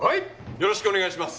よろしくお願いします。